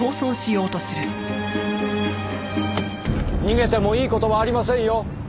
逃げてもいい事はありませんよ。